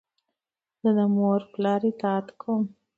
زه د مور و پلار اطاعت کوم.